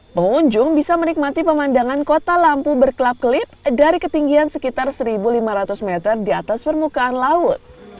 pengunjung bisa menikmati pemandangan kota lampu berkelap kelip dari ketinggian sekitar satu lima ratus meter di atas permukaan laut